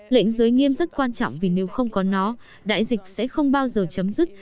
lệnh giới nghiêm rất quan trọng vì nếu không có nó đại dịch sẽ không bao giờ chấm dứt